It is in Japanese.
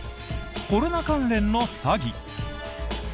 コロナ関連の詐欺。